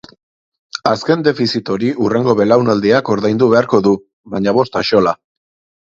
Azken defizit hori hurrengo belaunaldiak ordaindu beharko du, baina bost axola.